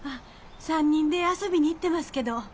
３人で遊びにいってますけど。